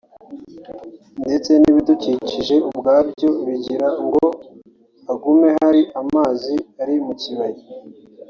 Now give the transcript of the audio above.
ndetse n’ibidukikije ubwabyo kugira ngo hagume hari amazi ari mu kibaya